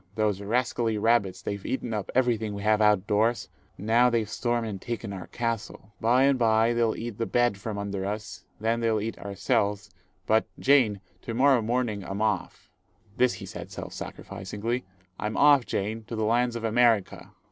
Those rascally rabbits they've eaten up everything we have out of doors, now they've stormed and taken our castle. By and by they'll eat the bed from under us, then they'll eat ourselves; but, Jane, to morrow morning I'm off," this he said self sacrificingly, "I'm off, Jane, to the lands of America."